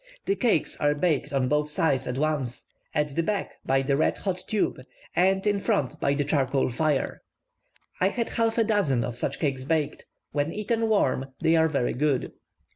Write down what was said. The cakes are baked on both sides at once; at the back by the red hot tube, and in front by the charcoal fire. I had half a dozen of such cakes baked when eaten warm, they are very good.